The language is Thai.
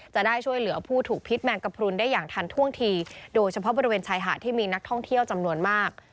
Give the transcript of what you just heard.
จะได้ช่วยเหลือผู้ถูกพิษแมงกระพรุนได้อย่างทันท่วงทีโดยเฉพาะบริเวณชายหาดที่มีนักท่องเที่ยวจำนวนมาก